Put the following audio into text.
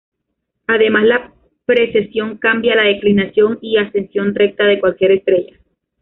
Además la precesión cambia la declinación y ascensión recta de cualquier estrella.